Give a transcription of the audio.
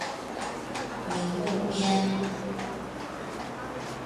宁木边。